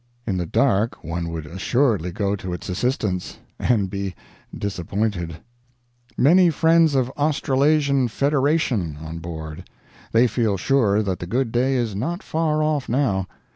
In the dark one would assuredly go to its assistance and be disappointed .... Many friends of Australasian Federation on board. They feel sure that the good day is not far off, now.